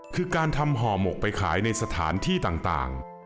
คือการทำห่อหมกไปขายในสถานที่ต่าง